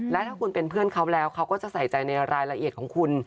และถ้าคุณเป็นเพื่อนเขาแล้วเขาก็จะใส่ใจในรายละเอียดของคุณ